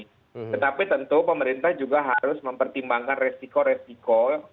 tetapi tentu pemerintah juga harus mempertimbangkan resiko resiko